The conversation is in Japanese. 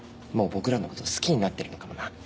もう僕らのこと好きになってるのかもな。